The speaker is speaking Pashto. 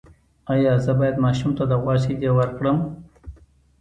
ایا زه باید ماشوم ته د غوا شیدې ورکړم؟